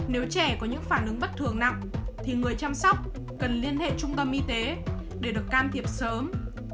nếu trẻ có những phản ứng bất thường nặng thì người chăm sóc cần liên hệ trung tâm y tế để được can thiệp sớm